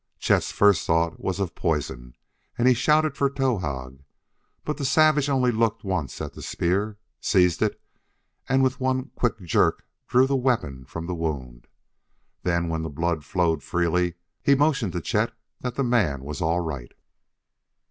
Chet's first thought was of poison, and he shouted for Towahg. But the savage only looked once at the spear, seized it and with one quick jerk drew the weapon from the wound; then, when the blood flowed freely, he motioned to Chet that the man was all right.